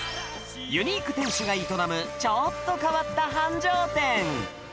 ユニーク店主が営むちょっと変わった繁盛店。